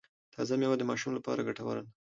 تازه میوه د ماشوم لپاره ګټوره ده۔